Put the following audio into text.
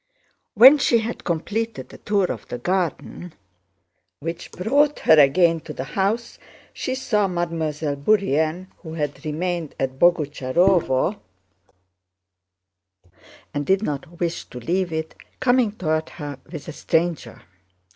When she had completed the tour of the garden, which brought her again to the house, she saw Mademoiselle Bourienne—who had remained at Boguchárovo and did not wish to leave it—coming toward her with a stranger.